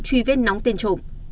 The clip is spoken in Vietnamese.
truy vết nóng tên trộm